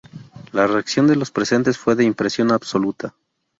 La reacción de los presentes fue de impresión absoluta.